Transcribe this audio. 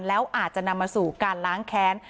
แล้วอาจจะนำมาสู่การล้างแค้น